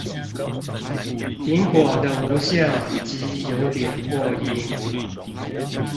蘋果的無線耳機有點破音